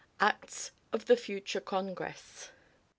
Acts of the Future Congress."